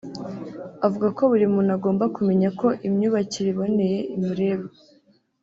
avuga ko buri muntu agomba kumenya ko imyubakire iboneye imureba